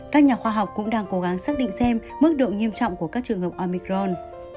các nhà khoa học cũng đang cố gắng xác định xem mức độ nghiêm trọng của các trường hợp omicron